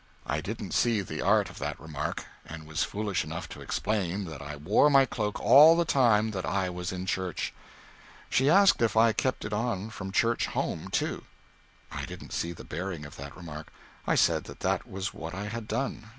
I didn't see the art of that remark, and was foolish enough to explain that I wore my cloak all the time that I was in church. She asked if I kept it on from church home, too. I didn't see the bearing of that remark. I said that that was what I had done.